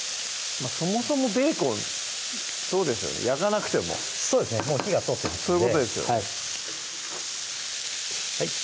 そもそもベーコンそうですよね焼かなくてもそうですね火が通ってますのでそういうことですよね